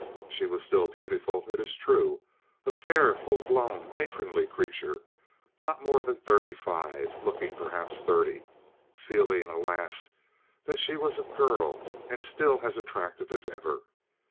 She was still beautiful, it is true, a fair, full blown, matronly creature not more than thirty five, looking perhaps thirty, feeling, alas, that she was a girl and still as attractive as ever.